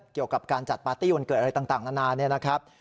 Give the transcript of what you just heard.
เกี่ยวกับการจัดปาร์ตี้วันเกิดอะไรต่างนานาเนี่ยนะครับ